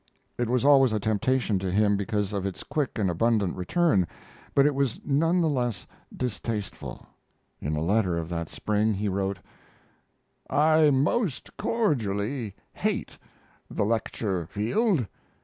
It was always a temptation to him because of its quick and abundant return, but it was none the less distasteful. In a letter of that spring he wrote: I most cordially hate the lecture field.